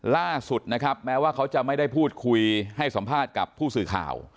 ล่าสุดนะครับแม้ว่าเขาจะไม่ได้พูดคุยให้สัมภาษณ์กับผู้สื่อข่าว